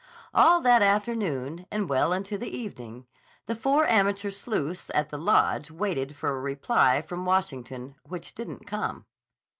All that afternoon and well into the evening, the four amateur sleuths at the Lodge waited for a reply from Washington which didn't come.